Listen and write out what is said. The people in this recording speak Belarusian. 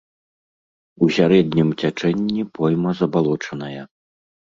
У сярэднім цячэнні пойма забалочаная.